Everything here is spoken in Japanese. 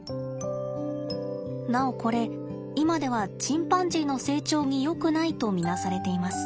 なおこれ今ではチンパンジーの成長によくないと見なされています。